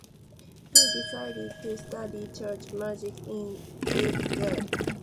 He decided to study church music in Leipzig.